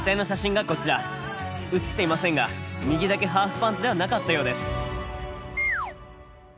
写っていませんが右だけハーフパンツではなかったようです。